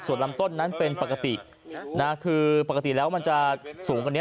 ส่วนลำต้นนั้นเป็นปกตินะคือปกติแล้วมันจะสูงกว่านี้